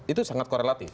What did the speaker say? itu sangat korelatif